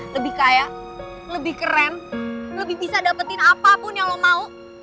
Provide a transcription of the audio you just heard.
lebih kaya lebih keren lebih bisa dapetin apapun yang lo mau